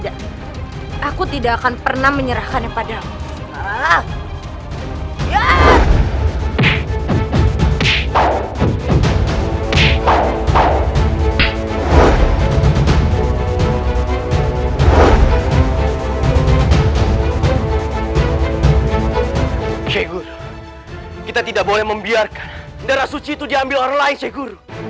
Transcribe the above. kau harus menjadi istriku